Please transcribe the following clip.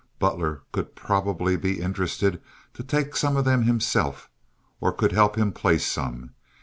Butler could probably be interested to take some of them himself, or could help him place some.